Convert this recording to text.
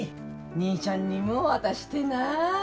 兄ちゃんにも渡してな。